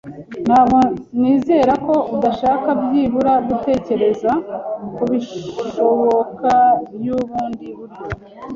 Ntabwo nizera ko udashaka byibura gutekereza kubishoboka byubundi buryo